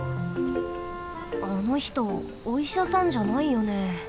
あのひとおいしゃさんじゃないよね。